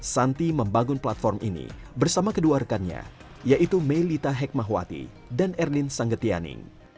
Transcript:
santi membangun platform ini bersama kedua rekannya yaitu melita hekmahwati dan erlin sanggetianing